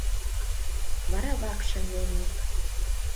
— Вара вакшым мельник...